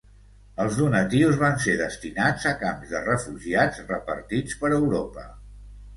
Els donatius van ser destinats a camps de refugiats repartits per Europa.